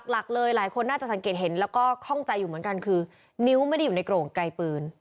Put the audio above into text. หลักเลยหลายคนน่าจะสังเกตเห็นแล้วก็ข้องใจอยู่เหมือนกันคือนิ้วไม่ได้อยู่ในโกร่งไกลปืน